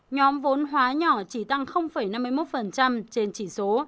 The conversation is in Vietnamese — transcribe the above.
nhóm vốn hóa nhỏ chỉ tăng năm mươi một trên chỉ số